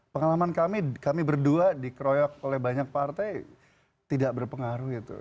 pengalaman kami berdua dikroyok oleh banyak partai tidak berpengaruh itu